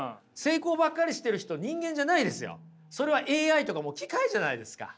それはＡＩとかもう機械じゃないですか。